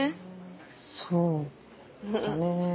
そうだねぇ。